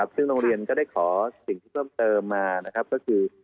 ซึ่งโรงเรียนก็ได้ขอสิ่งที่เพิ่มเติมมานะครับก็คือ